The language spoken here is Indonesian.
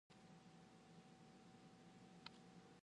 Kapan terakhir kali kamu melihat langit yang berbintang?